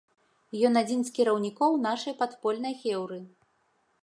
Ён адзін з кіраўнікоў нашай падпольнай хеўры.